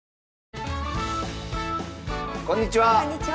こんにちは！